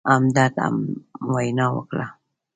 همدرد هم وینا وکړه.